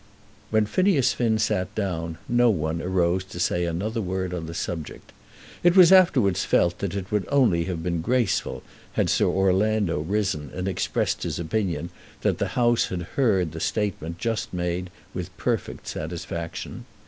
When Phineas Finn sat down no one arose to say another word on the subject. It was afterwards felt that it would only have been graceful had Sir Orlando risen and expressed his opinion that the House had heard the statement just made with perfect satisfaction.